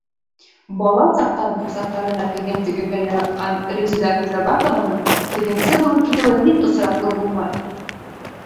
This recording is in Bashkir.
Бала саҡтан ҡурсаҡтарына кейем тегергә яратҡан Резеда Ҡужабәкованың тегенсе булып китеүе һис осраҡлы булмай.